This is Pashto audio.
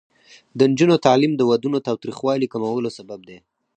د نجونو تعلیم د ودونو تاوتریخوالي کمولو سبب دی.